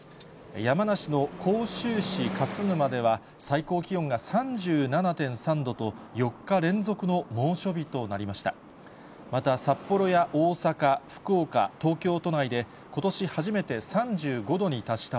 山梨の甲州市勝沼では、最高気温が３７．３度と、４日連続の猛暑日となりました。